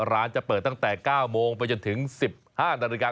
ร้านจะเปิดตั้งแต่๙โมงไปจนถึง๑๕นาฬิกา